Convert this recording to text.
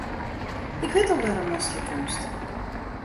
Ik wit al wêrom ast hjir komst.